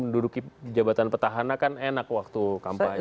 menduduki jabatan petahana kan enak waktu kampanye